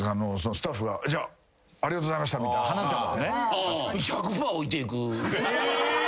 スタッフが「ありがとうございました」花束をね。え！？